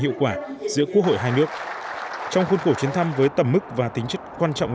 hiệu quả giữa quốc hội hai nước trong khuôn khổ chuyến thăm với tầm mức và tính chất quan trọng